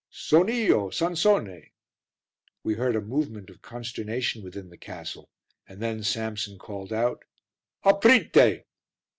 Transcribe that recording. "Son io, Sansone." We heard a movement of consternation within the castle and then Samson called out "Aprite."